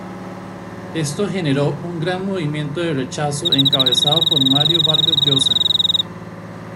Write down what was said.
Esto generó un gran movimiento de rechazo encabezado por Mario Vargas Llosa.